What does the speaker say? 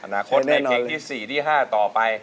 อนาคตในเพลงที่๔ที่๕ต่อไป